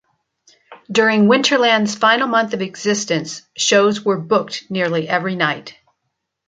During Winterland's final month of existence, shows were booked nearly every night.